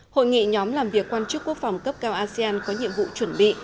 hội nghị nhóm làm việc quan chức quốc phòng cấp cao asean có nhiệm vụ chuẩn bị